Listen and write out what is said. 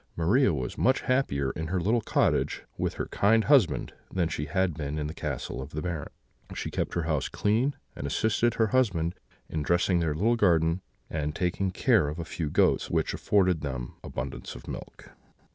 Maria was much happier in her little cottage with her kind husband than she had been in the castle of the Baron. She kept her house clean, and assisted her husband in dressing their little garden and taking care of a few goats, which afforded them abundance of milk.